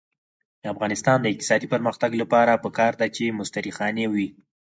د افغانستان د اقتصادي پرمختګ لپاره پکار ده چې مستري خانې وي.